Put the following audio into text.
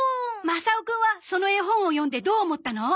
マサオくんはその絵本を読んでどう思ったの？